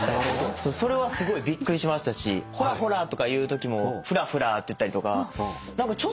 それはすごいびっくりしましたし「ほらほら」とか言うときも「ふらふら」って言ったりとかちょっと独特なんですよね